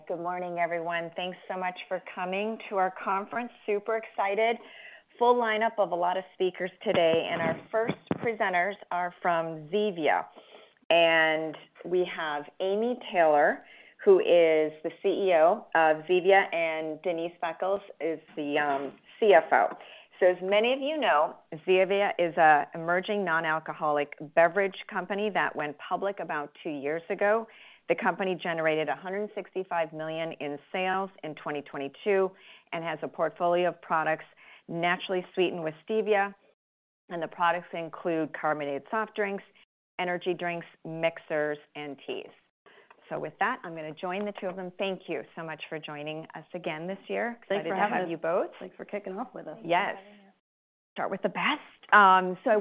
Good morning, everyone. Thanks so much for coming to our conference. Super excited. Full lineup of a lot of speakers today. Our first presenters are from Zevia. We have Amy Taylor, who is the CEO of Zevia, and Denise Beckles is the CFO. As many of you know, Zevia is a emerging non-alcoholic beverage company that went public about two years ago. The company generated $165 million in sales in 2022 and has a portfolio of products naturally sweetened with stevia, and the products include carbonated soft drinks, Energy Drinks, Mixers, and Teas. With that, I'm gonna join the two of them. Thank you so much for joining us again this year. Thanks for having us. Excited to have you both. Thanks for kicking off with us. Yes. Start with the best.